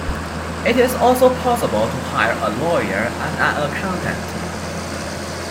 It is also possible to hire a lawyer and an accountant.